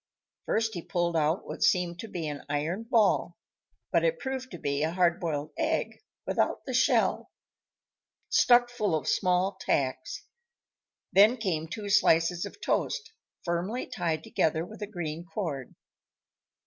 First he pulled out what seemed to be an iron ball; but it proved to be a hard boiled egg, without the shell, stuck full of small tacks. Then came two slices of toast, firmly tied together with a green cord.